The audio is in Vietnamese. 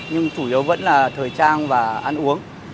nhưng chủ yếu vẫn là thời trang và ăn uống